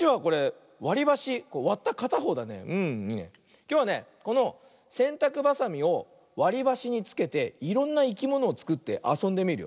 きょうはねこのせんたくばさみをわりばしにつけていろんないきものをつくってあそんでみるよ。